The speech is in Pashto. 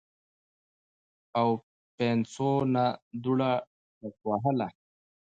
او پاينڅو نه دوړه ټکوهله